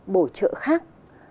bổ trợ khác